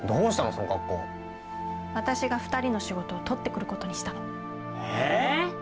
その格好私が２人の仕事を取ってくることにしたのええっ！？